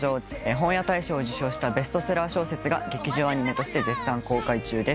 本屋大賞を受賞したベストセラー小説が劇場アニメとして絶賛公開中です。